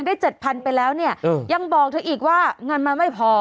ได้เจ็ดพันไปแล้วเนี่ยอืมยังบอกเธออีกว่าเงินมาไม่พอ